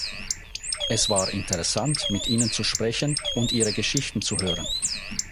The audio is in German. Es war interessant, mit ihnen zu sprechen und ihre Geschichten zu hören.